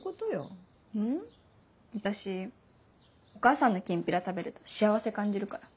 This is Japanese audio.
私お母さんのきんぴら食べると幸せ感じるから。